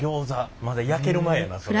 まだ焼ける前やなそれ。